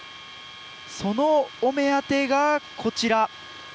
そのお目当てが、こちら。